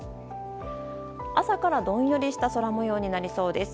朝からどんよりした空模様になりそうです。